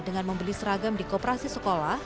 dengan membeli seragam di koperasi sekolah